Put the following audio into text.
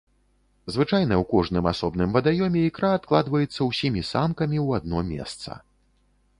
Звычайна ў кожным асобным вадаёме ікра адкладваецца ўсімі самкамі ў адно месца.